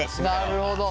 なるほど。